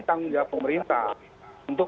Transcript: tanggung jawab pemerintah untuk